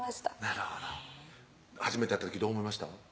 なるほど初めて会った時どう思いました？